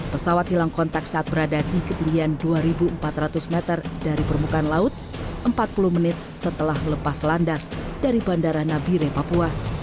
pesawat hilang kontak saat berada di ketinggian dua empat ratus meter dari permukaan laut empat puluh menit setelah lepas landas dari bandara nabire papua